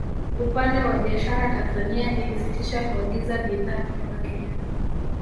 Upande wa biashara Tanzania ilisitisha kuagiza bidhaa kutoka Kenya